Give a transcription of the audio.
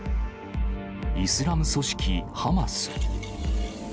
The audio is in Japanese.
イスラム組織ハマス。